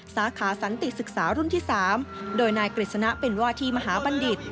สาขาสันติศึกษารุ่นที่๓โดยนายกฤษณะเป็นวาทีมหาบัณฑิต